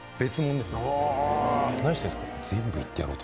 ・何してんですか？